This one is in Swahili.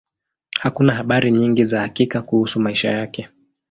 Hakuna habari nyingi za hakika kuhusu maisha yake.